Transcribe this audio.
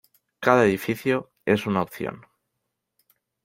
Cada edificio es una opción.